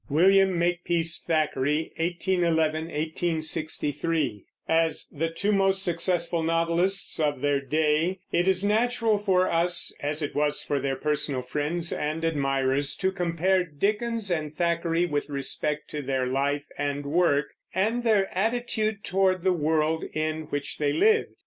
WILLIAM MAKEPEACE THACKERAY (1811 1863) As the two most successful novelists of their day, it is natural for us, as it was for their personal friends and admirers, to compare Dickens and Thackeray with respect to their life and work, and their attitude toward the world in which they lived.